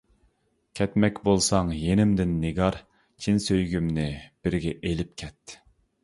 كەتمەك بولساڭ يېنىمدىن نىگار، چىن سۆيگۈمنى بىرگە ئېلىپ كەت.